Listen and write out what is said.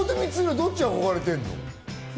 どっち憧れてんの？